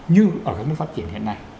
như ở các nước phát triển hiện nay